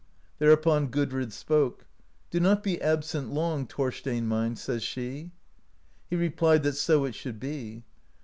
Thereupon Gudrid spoke. "Do not be absent long, Thorstein mine !" says she. He replied that so it should be.